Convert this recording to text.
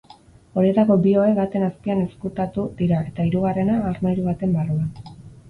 Horietako bi ohe baten azpian ezkutatu dira eta hirugarrena armairu baten barruan.